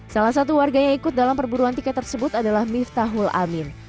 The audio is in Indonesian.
salah satu warganya ikut dalam perburuan tiket tersebut adalah miftah hulamin